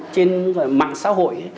trên mạng xã hội